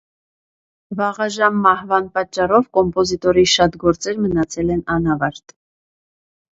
Վաղաժամ մահվան պատճառով կոմպոզիտորի շատ գործեր մնացել են անավարտ։